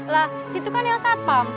lah situ kan yang satpam